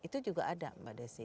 itu juga ada mbak desi